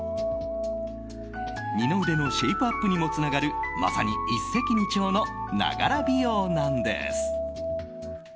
二の腕のシェイプアップにもつながるまさに一石二鳥のながら美容なんです。